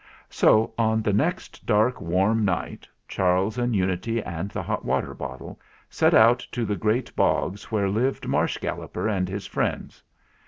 So, on the next dark warm night, Charles and Unity and the hot water bottle set out to the great bogs where lived Marsh Galloper and his friends.